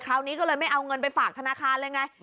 คราวนี้ก็เลยไม่เอาเงินไปฝากธนาคารเลยไง